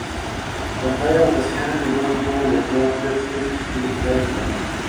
Tras nueve votaciones ninguno obtuvo los dos tercios exigidos por el Reglamento.